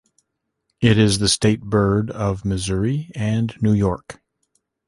It is the state bird of Missouri and New York.